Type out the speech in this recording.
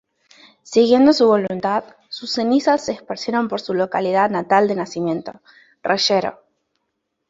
Siguiendo su voluntad, sus cenizas se esparcieron por su localidad natal de nacimiento, Reyero.